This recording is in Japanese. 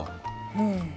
うん。